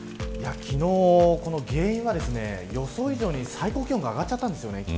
昨日、この原因は予想以上に最高気温が上がったんです。